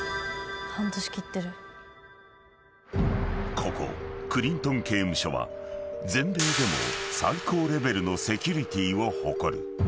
［ここクリントン刑務所は全米でも最高レベルのセキュリティーを誇る］